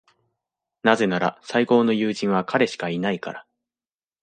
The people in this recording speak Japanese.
なぜなら、最高の友人は彼しかいないから。